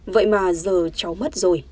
vậy mà giờ cháu mất rồi